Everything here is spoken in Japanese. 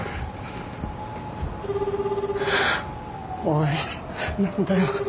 ☎おい何だよ。